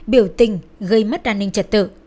biểu tình gây mất an ninh trật tự